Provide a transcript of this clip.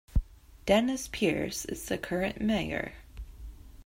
Dennis Pierce is the current mayor.